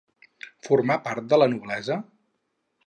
Formà part de la noblesa?